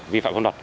vi phạm không đọt